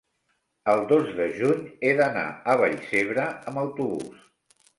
el dos de juny he d'anar a Vallcebre amb autobús.